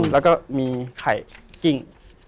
แล้วก็มีไข่กิ้ง